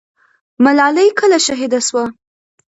ملالۍ کله شهیده سوه؟